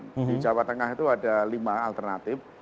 di jawa tengah itu ada lima alternatif